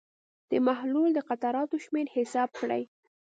د محلول د قطراتو شمېر حساب کړئ.